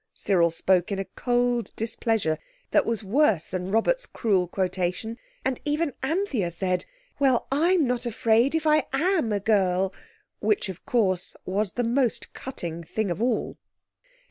Cyril spoke in a cold displeasure that was worse than Robert's cruel quotation, and even Anthea said, "Well, I'm not afraid if I am a girl," which of course, was the most cutting thing of all.